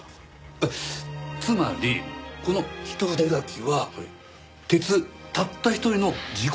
えっつまりこの一筆書きは鉄たった一人の自己満足？